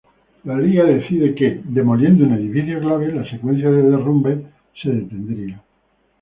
La Liga decide que, demoliendo un edificio clave, la secuencia de derrumbes se detendría.